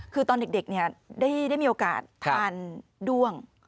คือตอนเด็กได้มีโอกาสทานด้วง